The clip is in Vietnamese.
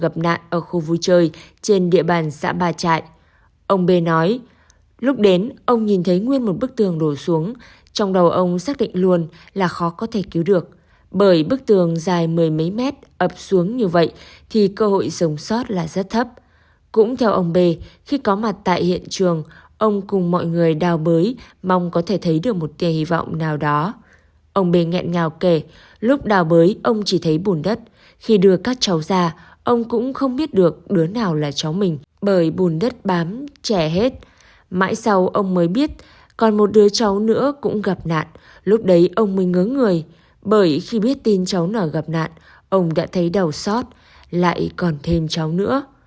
mãi sau ông mới biết còn một đứa cháu nữa cũng gặp nạn lúc đấy ông mới ngớ người bởi khi biết tin cháu nở gặp nạn ông đã thấy đầu sót lại còn thêm cháu nữa